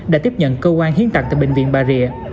đã tiếp nhận cơ quan hiến tặng tại bệnh viện bà rịa